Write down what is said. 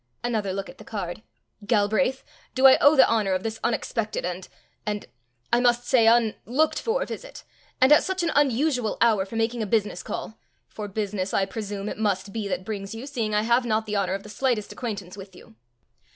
another look at the card "Galbraith, do I owe the honour of this unexpected and and I must say un looked for visit and at such an unusual hour for making a business call for business, I presume, it must be that brings you, seeing I have not the honour of the slightest acquaintance with you?"